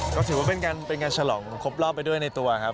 ก็ถือว่าเป็นงานฉลองครบรอบไปด้วยในตัวครับ